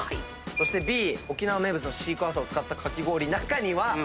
そしてＢ沖縄名物のシークワーサーを使ったかき氷。